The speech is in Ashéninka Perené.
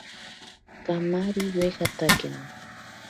Kamari yoijatakena.